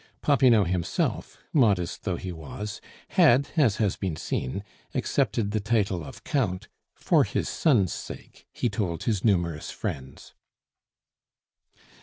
Popinot himself, modest though he was, had, as has been seen, accepted the title of count, "for his son's sake," he told his numerous friends.